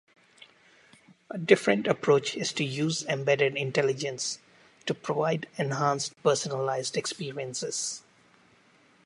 A different approach is to use embedded intelligence to provide enhanced personalised experiences.